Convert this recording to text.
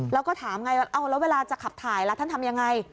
แล้วก็ถามไงแล้วเวลาจะขับถ่ายล่ะท่านทำยังไง